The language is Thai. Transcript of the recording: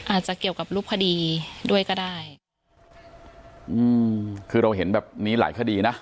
อาจจะเกี่ยวกับรูปคดีด้วยก็ได้อืมคือเราเห็นแบบนี้หลายคดีนะ